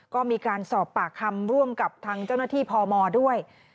ก็มีการสอบปากคำร่วมกับทางเจ้าหน้าที่พมด้วย